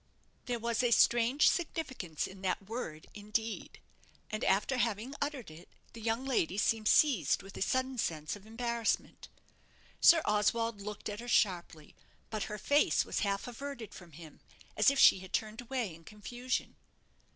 There was a strange significance in that word "indeed"; and after having uttered it, the young lady seemed seized with a sudden sense of embarrassment. Sir Oswald looked at her sharply; but her face was half averted from him, as if she had turned away in confusion.